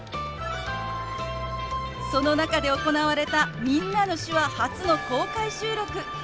その中で行われた「みんなの手話」初の公開収録。